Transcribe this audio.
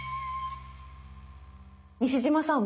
西島さん